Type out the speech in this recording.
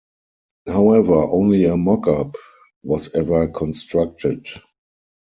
However, only a mockup was ever constructed.